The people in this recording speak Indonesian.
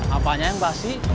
apanya yang basi